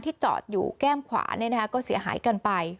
จอดอยู่แก้มขวาก็เสียหายกันไป